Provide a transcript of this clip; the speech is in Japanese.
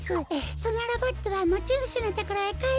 そのロボットはもちぬしのところへかえしてあげて。